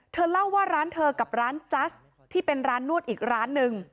เธอเล่าว่าร้านเธอกับร้านจัสที่เป็นร้านนวดอีกร้านหนึ่ง